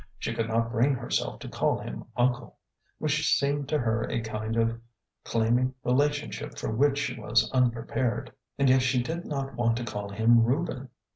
She could not bring herself to call him uncle,'' which seemed to her a kind of claiming rela tionship for which she was unprepared, and yet she did not want to call him Reuben.